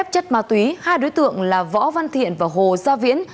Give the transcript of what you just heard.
chất ma túy hai đối tượng là võ văn thiện và hồ gia viễn